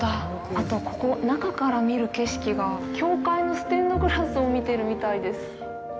あと、ここ、中から見る景色が教会のステンドグラスを見てるみたいです。